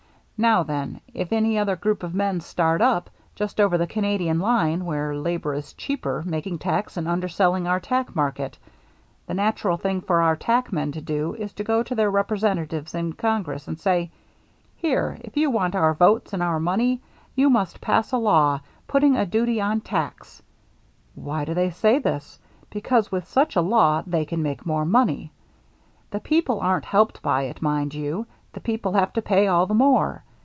Now then, if any other group of men start up, just over the Canadian line, where labor is cheaper, mak ing tacks, and underselling our tack market, the natural thing for our tack men to do is to go to their representatives in Congress and say, * Here, if you want our votes and our money, you must pass a law putting a duty on tacks.' Why do they say this ? Because with such a law they can make more money. The people aren't helped by it, mind you ; the people have to pay all the more.